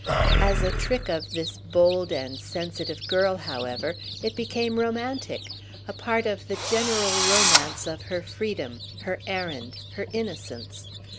As a trick of this bold and sensitive girl, however, it became romantic—a part of the general romance of her freedom, her errand, her innocence.